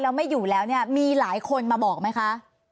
แล้วไม่อยู่แล้วเนี่ยมีหลายคนมาบอกไหมคะ